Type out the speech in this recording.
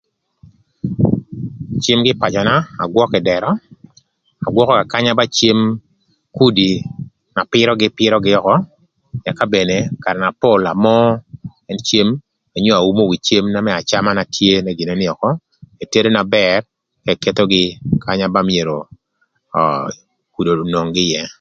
Cem kï ï pacöna agwökö ï dërö, agwökö kanya ka ba cem kudi na pïrögï pïrögï ökö ëka bene karë na pol amoo ën cem onyo aumo wi cem na an acamö na tye gïnï nï ökö etedo na bër ëka ekethogï ka kanya ba myero kudi onwong-gï ïë.